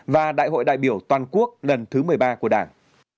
và đại hội đại biểu toàn quốc lần thứ một mươi ba của đảng